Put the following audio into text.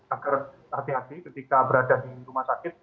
agar hati hati ketika berada di rumah sakit